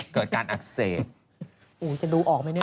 เกิดการอักเสบ